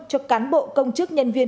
cho cán bộ công chức nhân viên